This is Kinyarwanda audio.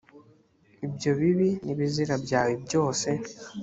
ibyo bibi n’ibizira byawe byose